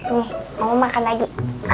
nih mau makan lagi